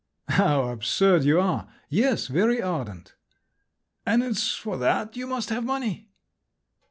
"How absurd you are! Yes, very ardent." "And it's for that you must have money?"